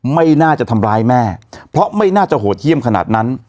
ไม่น่าจะทำร้ายแม่เพราะไม่น่าจะโหดเยี่ยมขนาดนั้น